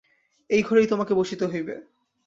এই ঘরেই তোমাকে বসিতে হইবে।